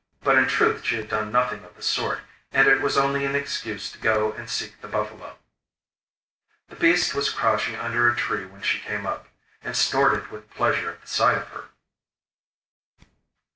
But in truth she had done nothing of the sort, and it was only an excuse to go and seek the buffalo. The beast was crouching under a tree when she came up, and snorted with pleasure at the sight of her.